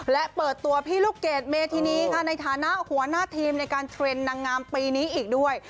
และเปิดตัวพี่ลูกเกดเมธินีค่ะในฐานะหัวหน้าทีมในการเทรนด์นางงามปีนี้อีกด้วย